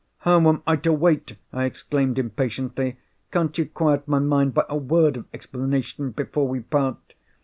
"How am I to wait!" I exclaimed, impatiently. "Can't you quiet my mind by a word of explanation before we part?"